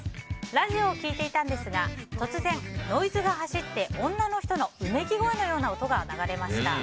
ラジオを聴いていたんですが突然、ノイズが走って女の人のうめき声のような音が流れました。